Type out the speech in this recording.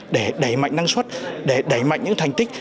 để đẩy mạnh năng suất để đẩy mạnh những thành tích